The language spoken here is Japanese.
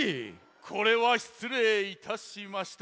これはしつれいいたしました。